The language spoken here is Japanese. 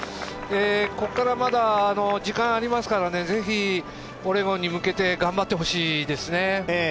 ここからまだ時間ありますからぜひオレゴンに向けて頑張ってほしいですね。